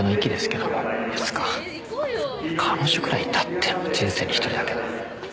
つか彼女ぐらいいたっての人生に１人だけ。